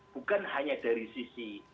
bukan hanya dari sisi